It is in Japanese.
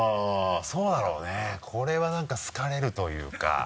そうだろうねこれはなんか好かれるというか。